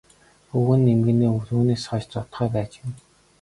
Өвгөн нь эмгэнээ түүнээс хойш зодохоо байж гэнэ.